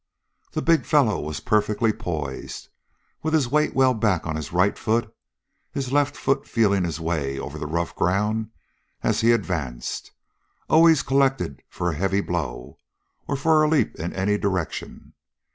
The big fellow was perfectly poised, with his weight well back on his right foot, his left foot feeling his way over the rough ground as he advanced, always collected for a heavy blow, or for a leap in any direction.